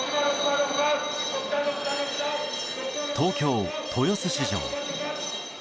東京・豊洲市場。